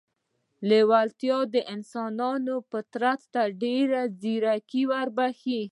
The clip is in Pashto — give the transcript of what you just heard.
لېوالتیا د انسان فطرت ته ډېره ځیرکي وربښي